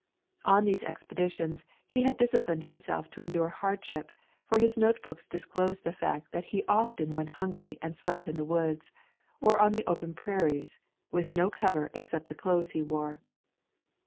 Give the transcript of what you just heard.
On these expeditions he had disciplined himself to endure hardship, for his notebooks disclose the fact that he often went hungry and slept in the woods, or on the open prairies, with no cover except the clothes he wore.